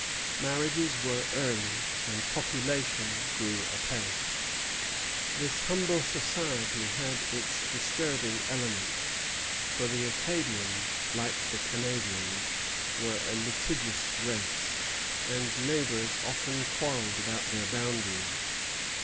Marriages were early, and population grew apace. This humble society had its disturbing elements; for the Acadians, like the Canadians, were a litigious race, and neighbors often quarrelled about their boundaries.